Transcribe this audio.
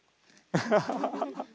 アハハハハ。